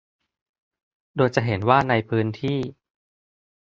โดยจะเห็นว่าในพื้นที่